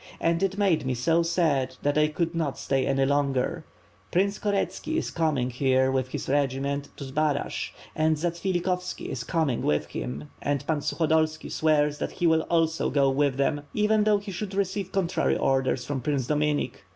And it made me so sad that I could not stay any longer. Prince Koretski is coming here with his regiment to Zbaraj, and Zatsvilikhovski is com ing with him and Pan Sukhodolski swears that he will also go with them, even though he should receive contrary orders from Prince Dominik.